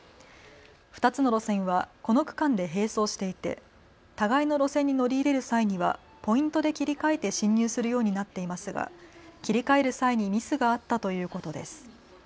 ２つの路線はこの区間で並走していて互いの路線に乗り入れる際にはポイントで切り替えて進入するようになっていますが切り替える際にミスがあったということです。